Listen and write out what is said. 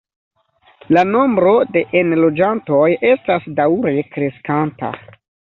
La nombro de enloĝantoj estas daŭre kreskanta.